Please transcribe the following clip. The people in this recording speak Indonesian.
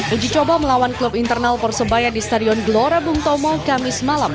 uji coba melawan klub internal persebaya di stadion gelora bung tomo kamis malam